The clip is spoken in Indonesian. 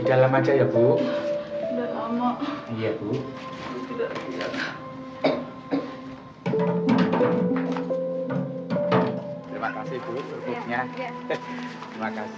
saya antar ibu istirahat dulu ya mas